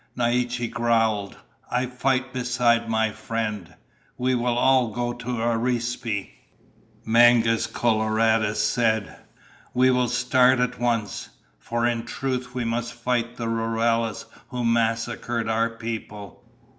Naiche growled, "I fight beside my friend." "We will all go to Arispe," Mangus Coloradus said. "We will start at once. For in truth we must fight the rurales who massacred our people."